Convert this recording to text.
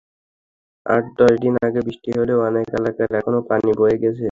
আট-দশ দিন আগে বৃষ্টি হলেও অনেক এলাকায় এখনো পানি রয়ে গেছে।